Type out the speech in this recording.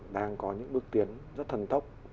đang có những bước tiến rất thần tốc